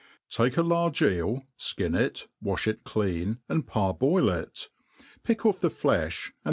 TAKE a large eel, fkin it, wafli it clean, and fJarboi] it» pick'off the fleih, and.